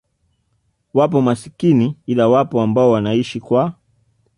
wapo masikini ila wapo ambao wanaishi kwa